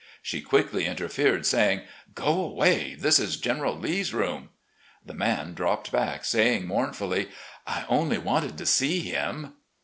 She quickly interfered, saying: "Go away; that is General Lee's room." The man dropped back, sa)dng mournfully: " I only wanted to see him."